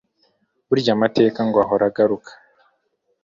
Burya amateka ngo ahora agaruka